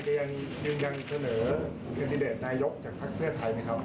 อเจมส์เทพาะไทยยังเสนอคันติเดชน์นายกจากพักเพื่อไทยไหมครับ